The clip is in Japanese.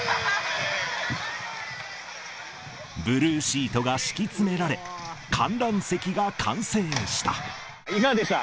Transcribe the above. ブルーシートが敷き詰められ、いかがでした？